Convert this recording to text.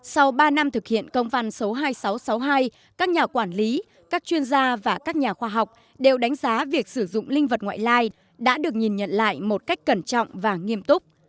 sau ba năm thực hiện công văn số hai nghìn sáu trăm sáu mươi hai các nhà quản lý các chuyên gia và các nhà khoa học đều đánh giá việc sử dụng linh vật ngoại lai đã được nhìn nhận lại một cách cẩn trọng và nghiêm túc